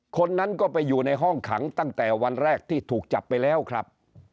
คนนั้นก็ไปอยู่ในห้องขังตั้งแต่วันแรกที่ถูกจับไปแล้วครับ